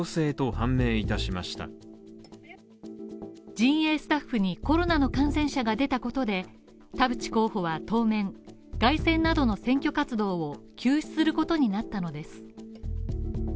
陣営スタッフにコロナの感染者が出たことで、田淵候補は当面、街宣などの選挙活動を休止することになったのです。